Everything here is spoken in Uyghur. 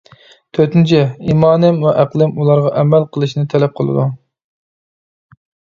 تۆتىنچى: ئىمانىم ۋە ئەقلىم ئۇلارغا ئەمەل قىلىشنى تەلەپ قىلىدۇ.